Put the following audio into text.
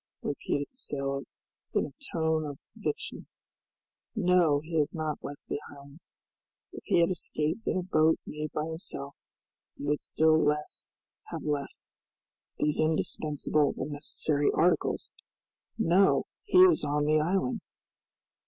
repeated the sailor, in a tone of conviction; "no, he has not left the island! If he had escaped in a boat made by himself, he would still less have left these indispensable and necessary articles. No! he is on the island!"